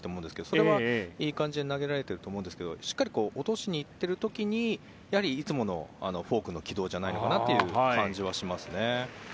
それはいい感じで投げられていると思いますがしっかり落としにいっている時にいつものフォークの軌道じゃないのかなという感じはしますね。